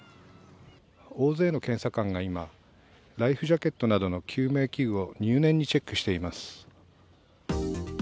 大勢の検査官が今、ライフジャケットなどの救命器具を入念にチェックしています。